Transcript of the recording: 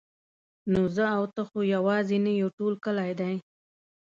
نو زه او ته خو یوازې نه یو ټول کلی دی.